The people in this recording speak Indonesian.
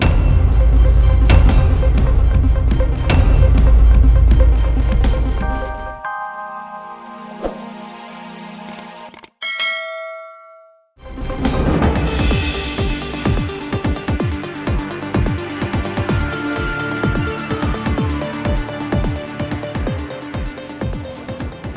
tidak tidak tidak